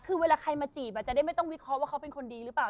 คือเวลาใครมาจีบจะได้ไม่ต้องวิเคราะห์ว่าเขาเป็นคนดีหรือเปล่า